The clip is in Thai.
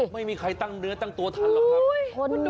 ไม่มีใครตั้งเนื้อตั้งตัวทันหรอกครับ